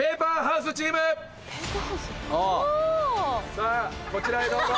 さぁこちらへどうぞ。